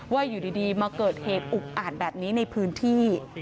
อยู่ดีมาเกิดเหตุอุกอ่านแบบนี้ในพื้นที่